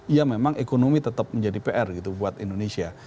ya memang ekonomi tetap menjadi pr gitu buat indonesia